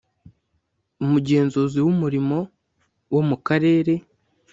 Umugenzuzi w umurimo wo mu Karere